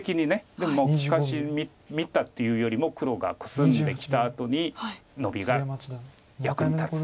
でも利かしと見たというよりも黒がコスんできたあとにノビが役に立つ。